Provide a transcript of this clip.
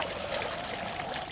ini daun nangka